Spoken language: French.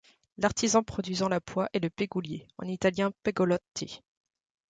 L'artisan produisant la poix est le pégoulier, en italien pegolotti.